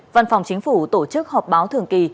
văn phòng chính phủ tổ chức họp báo thường kỳ